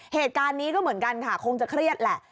เหตุการณ์นี้ก็เหมือนกันค่ะคงจะเครียดแหละ